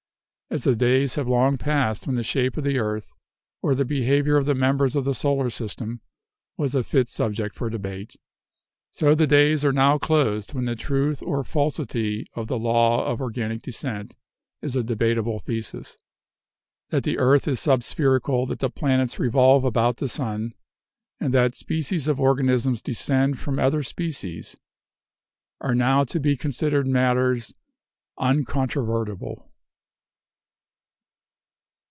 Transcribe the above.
As the days have long passed when the shape of the earth, or the behavior of the members of the solar system, was a fit subject for debate, so the days are now closed when the truth or falsity of the law of organic descent is a debatable thesis. That the earth is subspherical, that the planets revolve about the sun, and that species of organisms descend from other species, are now to be considered matters uncontrovertible.